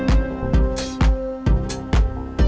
di mana kita berada